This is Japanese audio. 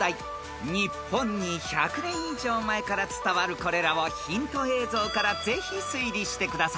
［日本に１００年以上前から伝わるこれらをヒント映像からぜひ推理してください］